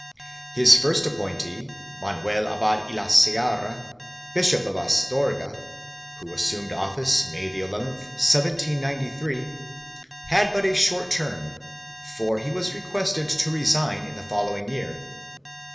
His first appointee, Manuel Abad y la Sierra, Bishop of Astorga, who assumed office May 11, 1793, had but a short term, for he was requested to resign in the following year.